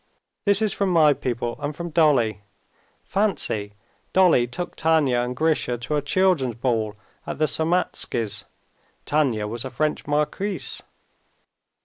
This is from my people and from Dolly. Fancy! Dolly took Tanya and Grisha to a children's ball at the Sarmatskys': Tanya was a French marquise."